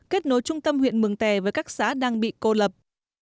kết nối trung tâm huyện mường tè với các xã đang bị cô lập